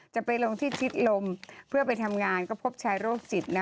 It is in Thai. จะไปลงที่ชิดลมเพื่อไปทำงานก็พบชายโรคจิตนะ